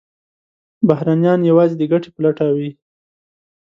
بهرنیان یوازې د ګټې په لټه وي.